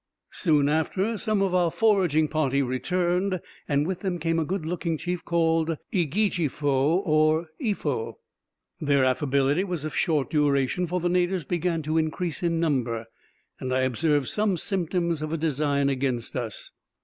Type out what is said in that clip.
Soon after, some of our foraging party returned, and with them came a good looking chief, called Egijeefow, or Eefow. Their affability was of short duration, for the natives began to increase in number, and I observed some symptoms of a design against us.